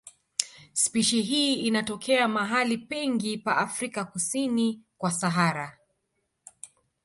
Spishi hii inatokea mahali pengi pa Afrika kusini kwa Sahara.